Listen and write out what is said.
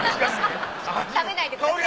食べないでください。